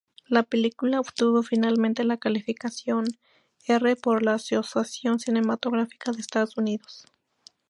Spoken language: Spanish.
La película obtuvo finalmente la calificación R por la Asociación Cinematográfica de Estados Unidos.